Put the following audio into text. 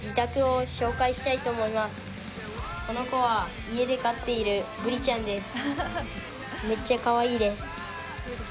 この子は家で飼っているブリちゃんです。